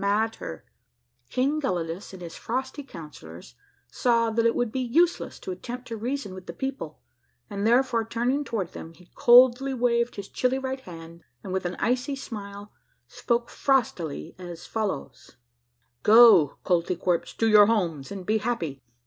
" A MARVELLOUS UNDERGROUND JOURNEY 175 King Gelidus and his frosty councillors saw that it would be useless to attempt to reason with the people, and therefore turn ing toward them, he coldly waved his chilly right hand, and with an icy smile spoke frostily as follows, —" Go, Koltykwerps to your homes, and he happy.